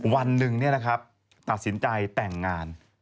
วันหนึ่งเนี่ยนะครับตัดสินใจแต่งงาน